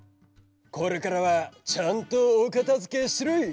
これからはちゃんとおかたづけしろい！